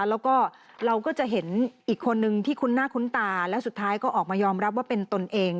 แล้วก็เราก็จะเห็นอีกคนนึงที่คุ้นหน้าคุ้นตาและสุดท้ายก็ออกมายอมรับว่าเป็นตนเอง